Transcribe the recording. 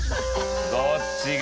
どっちが。